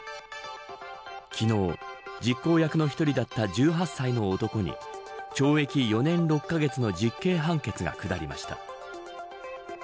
昨日、実行役の１人だった１８歳の男に懲役４年６カ月の実刑判決が下りました。